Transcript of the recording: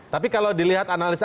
tapi kalau dilihat analis